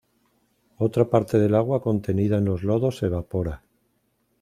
Otra parte del agua contenida en los lodos se evapora.